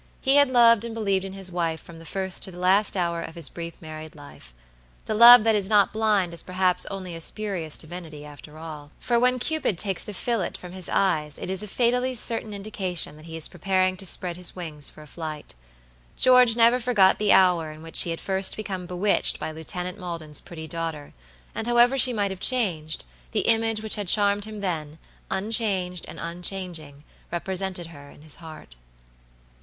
He had loved and believed in his wife from the first to the last hour of his brief married life. The love that is not blind is perhaps only a spurious divinity after all; for when Cupid takes the fillet from his eyes it is a fatally certain indication that he is preparing to spread his wings for a flight. George never forgot the hour in which he had first become bewitched by Lieutenant Maldon's pretty daughter, and however she might have changed, the image which had charmed him then, unchanged and unchanging, represented her in his heart.